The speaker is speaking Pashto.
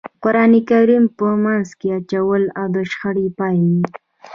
قرآن کریم په منځ کې اچول د شخړې پای وي.